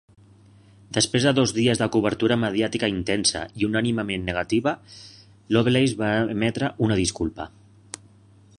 Després de dos dies de cobertura mediàtica intensa i unànimement negativa, Lovelace va emetre una disculpa.